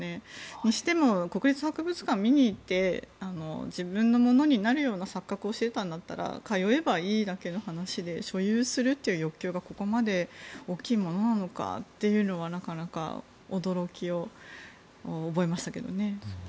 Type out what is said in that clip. にしても国立博物館を見に行って自分のものになるような錯覚をしていたんだったら通えばいいだけの話で所有するという欲求がここまで大きいものなのかというのはなかなか驚きを覚えましたけどね。